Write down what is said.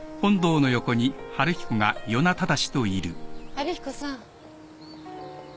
・春彦さん。